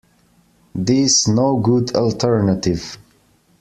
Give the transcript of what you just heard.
This no good alternative.